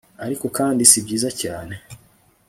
ariko kandi si byiza cyane